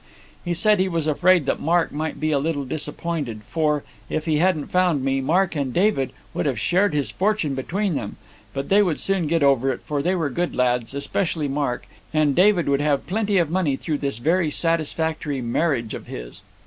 "He said he was afraid that Mark might be a little disappointed, for, if he hadn't found me, Mark and David would have shared his fortune between them; but they would soon get over it, for they were good lads, especially Mark; and David would have plenty of money through this very satisfactory marriage of his.